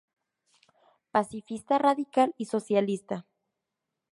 Pacifista radical y socialista.